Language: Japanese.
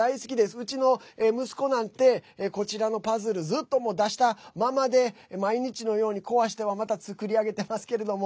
うちの息子なんてこちらのパズルずっと出したままで毎日のように壊してはまた作り上げてますけれども。